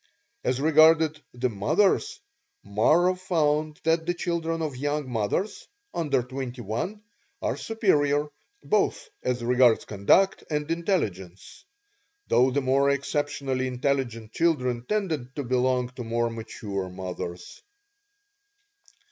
As regarded the mothers, Marro found that the children of young mothers (under twenty one) are superior, both as regards conduct and intelligence, though the more exceptionally intelligent children tended to belong to more mature mothers.